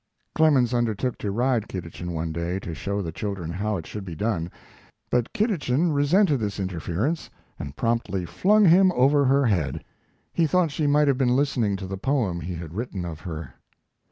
Clemens undertook to ride Kiditchin one day, to show the children how it should be done, but Kiditchin resented this interference and promptly flung him over her head. He thought she might have been listening to the poem he had written of her.